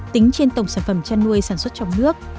tính trên tổng sản phẩm chăn nuôi sản xuất trong nước